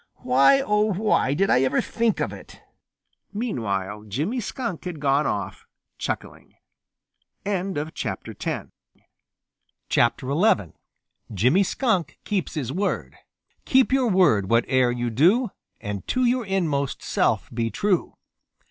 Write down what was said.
Why, oh, why did I ever think of it?" Meanwhile Jimmy Skunk had gone off, chuckling. XI JIMMY SKUNK KEEPS HIS WORD Keep your word, whate'er you do, And to your inmost self be true.